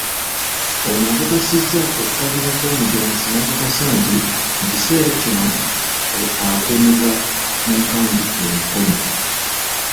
Ono akakasizza okukwatibwa kw'omujaasi n'akakasa nti mu kiseera kino, akuumibwa mu nkambi e Mukono.